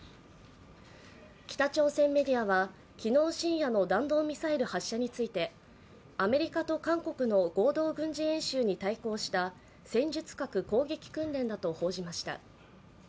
北朝鮮メディアは昨日深夜の弾道ミサイル発射についてアメリカと韓国の合同軍事演習に対抗した戦術核攻撃訓練だと報じました。